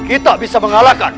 kita bisa mengalahkan